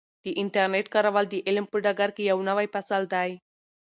د انټرنیټ کارول د علم په ډګر کې یو نوی فصل دی.